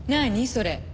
それ。